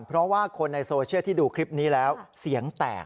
เพราะว่าคนในโซเชียลที่ดูคลิปนี้แล้วเสียงแตก